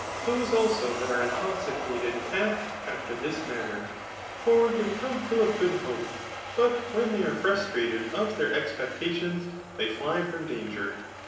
Those also that are intoxicated act after this manner : for they become full of good hope ; but when they are frustrated of their expectations, they fly from danger.